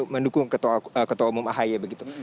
mendukung ketua umum ahy begitu